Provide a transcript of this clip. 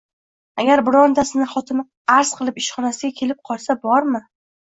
Agar birontasini xotini arz qilib ishxonasiga kelib qolsa bormi?